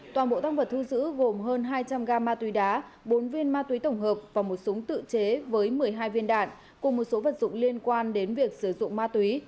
toàn bộ tăng vật thu giữ gồm hơn hai trăm linh ga ma túy đá bốn viên ma túy tổng hợp và một súng tự chế với một mươi hai viên đạn cùng một số vật dụng liên quan đến việc sử dụng ma túy